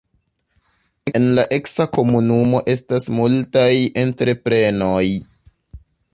En la eksa komunumo estas multaj entreprenoj.